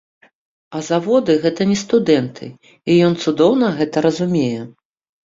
А заводы гэта не студэнты, і ён цудоўна гэта разумее.